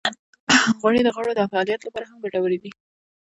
غوړې د غړو د فعالیت لپاره هم ګټورې دي.